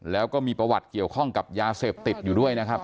แล้วก็มีประวัติเกี่ยวข้องกับยาเสพติดอยู่ด้วยนะครับ